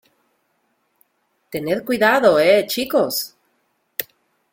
tened cuidado, ¿ eh , chicos?